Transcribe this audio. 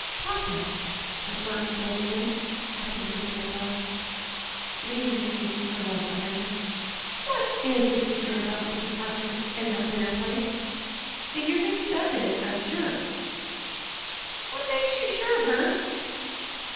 "Papa," said Bert soberly, after the visitor had gone, leaving the keys of Snow Lodge behind him, "what is the secret about Mr. Carford and that winter place? And you're mixed up in it, I'm sure." "What makes you sure, Bert?"